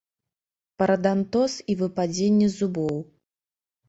Парадантоз і выпадзенне зубоў.